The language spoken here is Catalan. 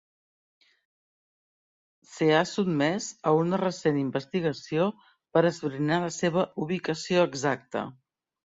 Se 'ha sotmès a una recent investigació per esbrinar la seva ubicació exacta.